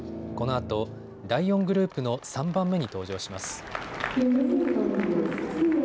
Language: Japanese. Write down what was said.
このあと第４グループの３番目に登場します。